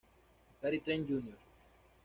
Gary Trent Jr.